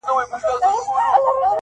لکه باران را اورېدلې پاتېدلې به نه -